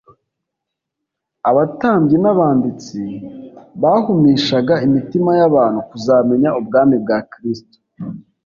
abatambyi n'abanditsi bahumishaga imitima y'abantu kuzamenya ubwami bwa Kristo,